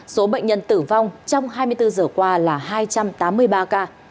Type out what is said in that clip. số bệnh nhân tử vong trong hai mươi bốn giờ qua là hai trăm tám mươi ba ca